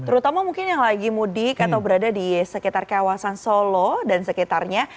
terutama mungkin yang lagi mudik atau berada di sekitar kawasan solo dan sekitarnya